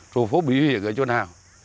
trù phố bị huyện ở chỗ nào